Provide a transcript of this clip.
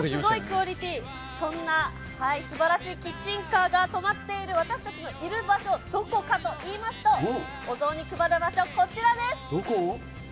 そんなすばらしいキッチンカーが止まっている私たちのいる場所、どこかといいますと、お雑煮配る場所、こちらです。